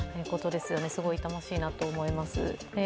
すごい痛ましいなと思います。